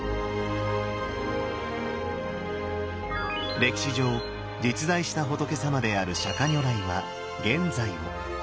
歴史上実在した仏さまである釈如来は現在を。